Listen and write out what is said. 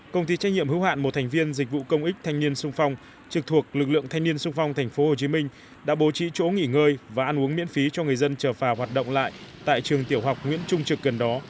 công ty trách nhiệm hữu hạn một thành viên dịch vụ công ích thanh niên sung phong trực thuộc lực lượng thanh niên sung phong tp hcm đã bố trí chỗ nghỉ ngơi và ăn uống miễn phí cho người dân chờ phà hoạt động lại tại trường tiểu học nguyễn trung trực gần đó